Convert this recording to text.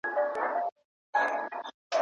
څېړنه ولي دوامداره مطالعه غواړي؟